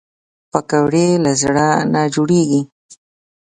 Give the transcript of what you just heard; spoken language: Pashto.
پکورې له زړه نه جوړېږي